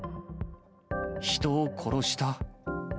人を殺した。